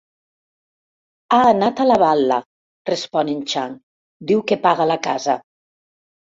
Ha anat a la bal·la –respon en Chang–, diu que paga la casa.